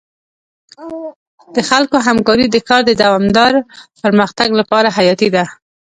د خلکو همکاري د ښار د دوامدار پرمختګ لپاره حیاتي ده.